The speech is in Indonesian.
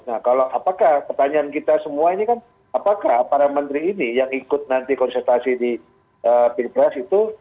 nah kalau apakah pertanyaan kita semua ini kan apakah para menteri ini yang ikut nanti konsultasi di pilpres itu